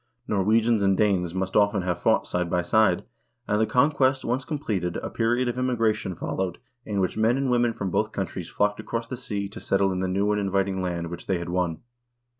Norwegians and Danes must often have fought side by side, and, the conquest once completed, a period of immigration followed in which men and women from both countries flocked across the sea to settle in the new and invit ing land which they had won.